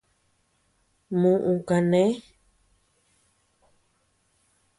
Muʼu kané.